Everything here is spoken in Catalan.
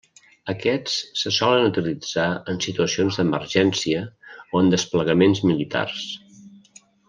Aquests se solen utilitzar en situacions d'emergència o en desplegaments militars.